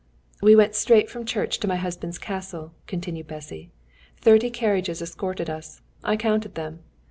"We went straight from church to my husband's castle," continued Bessy. "Thirty carriages escorted us. I counted them.